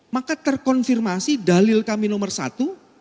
maka terkonfirmasi dalil kami nomor satu